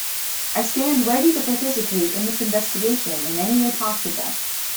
I stand ready to participate in this investigation in any way possible.